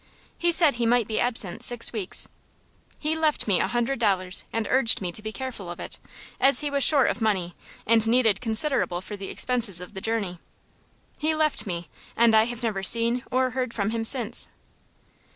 He said he might be absent six weeks. He left me a hundred dollars, and urged me to be careful of it, as he was short of money, and needed considerable for the expenses of the journey. He left me, and I have never seen or heard from him since."